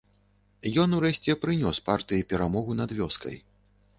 Ён урэшце прынёс партыі перамогу над вёскай.